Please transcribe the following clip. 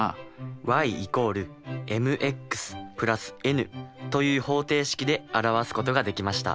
ｙ＝ｍｘ＋ｎという方程式で表すことができました。